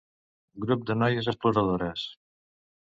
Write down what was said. Grups de Noies Exploradores.